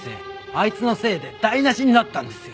あいつのせいで台なしになったんですよ。